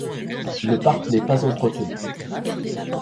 Le parc n'est pas entretenu.